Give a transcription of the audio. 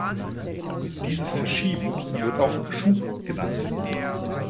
Dieses Verschieben wird auch "Schub" genannt.